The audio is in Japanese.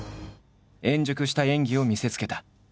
円熟した演技を見せつけた。